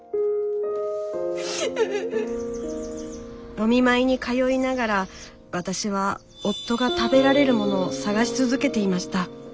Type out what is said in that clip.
お見舞いに通いながら私は夫が食べられるものを探し続けていました。